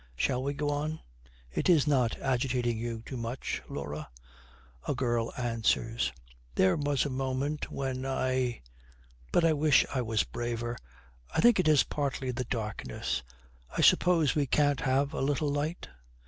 Shall we go on? It is not agitating you too much, Laura?' A girl answers, 'There was a moment when I but I wish I was braver. I think it is partly the darkness. I suppose we can't have a little light?'